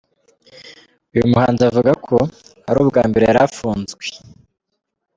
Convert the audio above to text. Uyu muhanzi avuga ko ari ubwa mbere yari afunzwe.